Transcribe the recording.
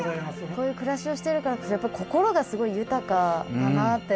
こういう暮らしをしているからこそやっぱ心がすごい豊かだなって。